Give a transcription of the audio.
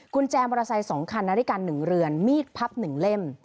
กุญแจมอเตอร์ไซค์สองคันนาฬิการหนึ่งเรือนมีดพับหนึ่งเล่ม